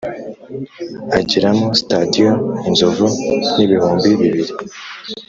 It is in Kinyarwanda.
ageramo sitadiyo inzovu n’ibihumbi bibiri,